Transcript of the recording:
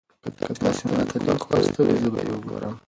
که تاسي ما ته لینک واستوئ زه به یې وګورم.